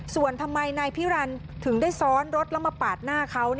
ส่วนทำไมนายพิรันถึงได้ซ้อนรถแล้วมาปาดหน้าเขา